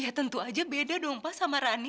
ya tentu aja beda dong pak sama rani